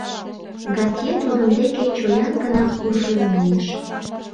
— Гантье тудын деке чоян гына куржын мийыш.